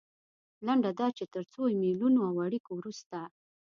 لنډه دا چې تر څو ایمیلونو او اړیکو وروسته.